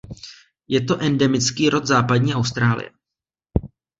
Je to endemický rod Západní Austrálie.